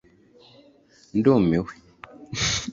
ndumiwe